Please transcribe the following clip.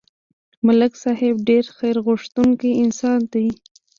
ملک صاحب ډېر خیرغوښتونکی انسان دی